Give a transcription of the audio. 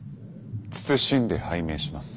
謹んで拝命します